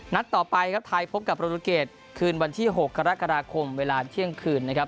ต่อไปครับไทยพบกับโปรตูเกตคืนวันที่๖กรกฎาคมเวลาเที่ยงคืนนะครับ